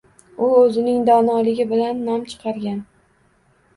U o`zining donoligi bilan nom chiqargan